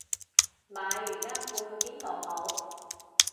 買瑜伽褲去邊度好